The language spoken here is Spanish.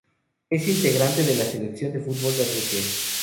Es integrante de la selección de fútbol de Rusia.